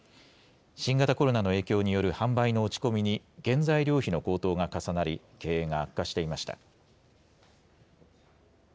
新型コロナの影響による販売の落ち込みに、原材料費の高騰が重なり、経営が悪化していました。